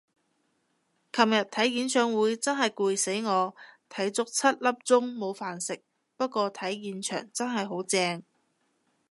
尋日睇演唱會真係攰死我，睇足七粒鐘冇飯食，不過睇現場真係好正